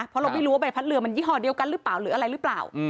เพราะเราไม่รู้ว่าใบพัดเรือมันยี่หอเดียวกันหรือเปล่า